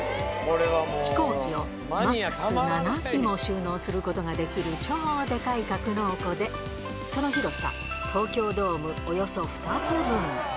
飛行機をマックス７機も収納することができる超でかい格納庫で、その広さ、東京ドームおよそ２つ分。